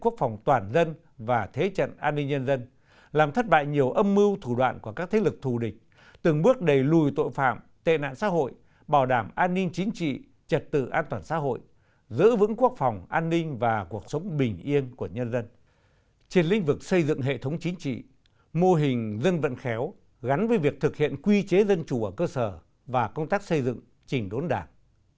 cơ quan hành chính nhà nước xây dựng hệ thống chính trị mô hình dân vận khéo gắn với việc thực hiện quy chế dân chủ ở cơ sở và công tác xây dựng chỉnh đốn đảng